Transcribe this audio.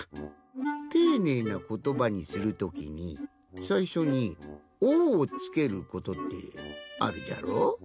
ていねいなことばにするときにさいしょに「お」をつけることってあるじゃろ？